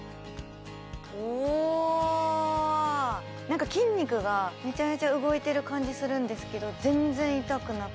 なんか筋肉がめちゃめちゃ動いてる感じするんですけどねえ